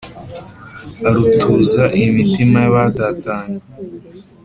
Arutuza imitima y'abatatanye